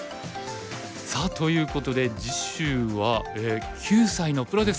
さあということで次週は９歳のプロですか。